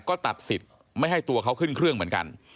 ก็ตัดสิทธิ์ไม่ให้ตัวเขาขึ้นเครื่องเหมือนกัน